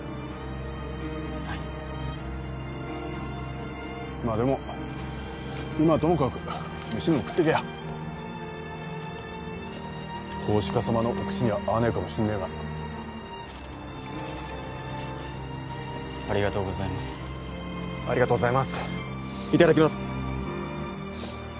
はいまあでも今はともかくメシでも食ってけや投資家様のお口には合わねえかもしんねえがありがとうございますありがとうございますいただきます